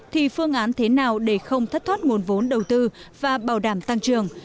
thì phương án thế nào để không thất thoát nguồn vốn đầu tư và bảo đảm tăng trưởng